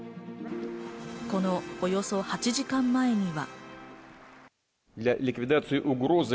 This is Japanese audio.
このおよそ８時間前には。